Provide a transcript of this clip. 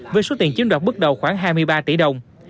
với số tiền chiếm đoạt bước đầu khoảng hai mươi ba tỷ đồng